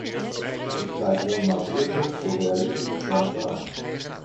Ik pleit wel nadrukkelijk voor realistische grenswaarden.